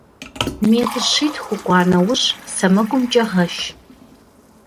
Метр щитху укӏуа нэужь, сэмэгумкӏэ гъэш.